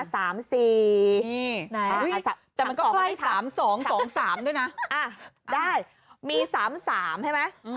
แต่มันก็ใกล้๓๒๒๓ด้วยนะได้มี๓๓ใช่ไหม